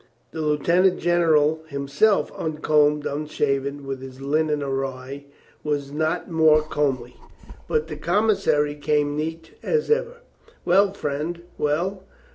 The lieutenant general him self, uncombed, unshaven, with his linen awry, was not more comely. But the commissary came neat as ever. "Well, friend, well?